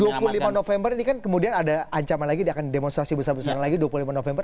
dua puluh lima november ini kan kemudian ada ancaman lagi akan demonstrasi besar besaran lagi dua puluh lima november